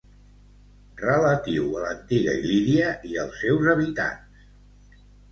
Relatiu a l'antiga Il·líria i als seus habitants.